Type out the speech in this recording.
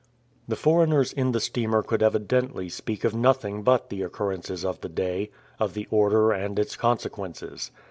The foreigners in the steamer could evidently speak of nothing but the occurrences of the day, of the order and its consequences.